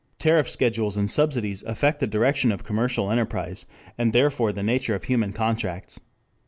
Tariff schedules and subsidies affect the direction of commercial enterprise, and therefore the nature of human contracts.